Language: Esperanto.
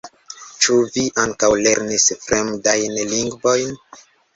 Ĉu vi ankaŭ lernis fremdajn lingvojn?